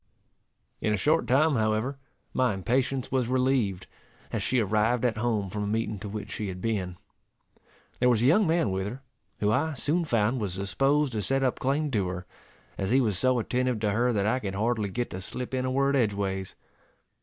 In a short time, however, my impatience was relieved, as she arrived at home from a meeting to which she had been. There was a young man with her, who I soon found was disposed to set up claim to her, as he was so attentive to her that I could hardly get to slip in a word edgeways.